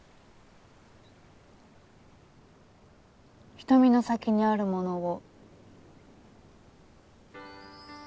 「瞳の先にあるモノを」。